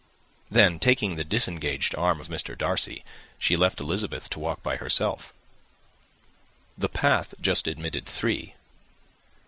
Then taking the disengaged arm of Mr. Darcy, she left Elizabeth to walk by herself. The path just admitted three.